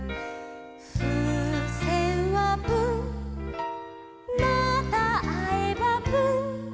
「ふうせんはプンまたあえばプン」